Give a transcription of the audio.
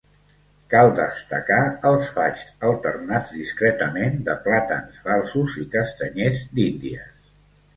Cal destacar els faigs alternats discretament de plàtans falsos i castanyers d'índies.